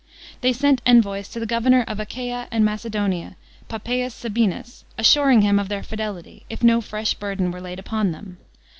They sent envoys to the governor of Achaia and Macedonia, Poppasus Sabinus, assuring him of their fidelity, if no fresh burden were laid upon them.